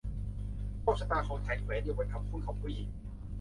โชคชะตาของฉันแขวนอยู่บนคำพูดของผู้หญิง